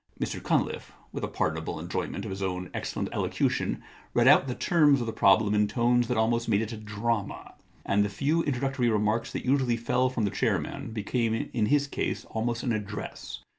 Mr Cunliffe, with a pardonable enjoyment of his own excellent elocution, read out the terms of the problem in tones that almost made it a drama. And the few introductory remarks that usually fell from the chairman became in his case almost an address.